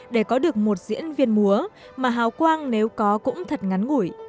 để có được một diễn viên múa mà hào quang nếu có cũng thật ngắn ngủi